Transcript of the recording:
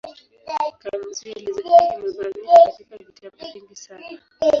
Kamusi elezo hii imegawanyika katika vitabu vingi sana.